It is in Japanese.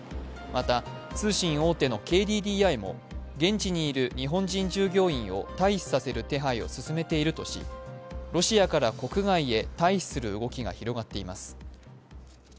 また通信大手のＫＤＤＩも現地にいる日本人従業員を退避させる手配を進めているとしロシアから国外へ退避する動きが広がっています。